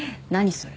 それ